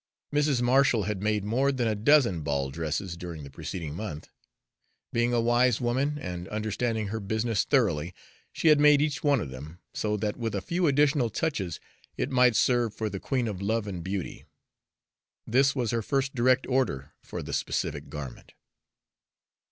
Mrs. Marshall had made more than a dozen ball dresses during the preceding month; being a wise woman and understanding her business thoroughly, she had made each one of them so that with a few additional touches it might serve for the Queen of Love and Beauty. This was her first direct order for the specific garment.